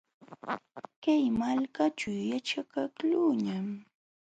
Kay malkaćhu yaćhakaqluuñam.